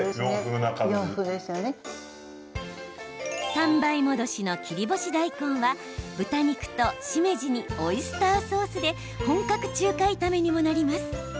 ３倍戻しの切り干し大根は豚肉と、しめじにオイスターソースで本格中華炒めにもなります。